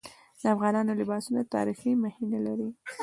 د افغانانو لباسونه تاریخي مخینه لري.